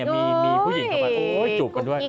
มีผู้หญิงเข้าไปโอ๊ยจูบกันด้วย